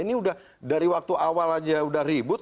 ini udah dari waktu awal aja udah ribut